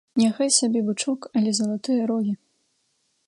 Няхай сабе бычок, але залатыя рогі.